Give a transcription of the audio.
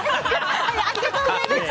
ありがとうございます！